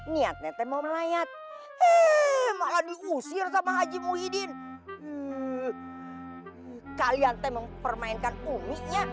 niatnya mau melayat eh malah diusir sama haji muhyiddin kalian teh mempermainkan uminya